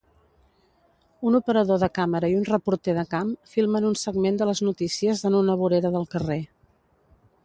Un operador de càmera i un reporter de camp filmen un segment de les notícies en una vorera del carrer.